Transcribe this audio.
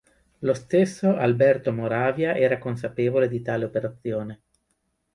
Lo stesso Alberto Moravia era consapevole di tale operazione.